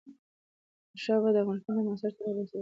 احمدشاه بابا د افغانستان د معاصر تاريخ بنسټ اېښودونکی دی.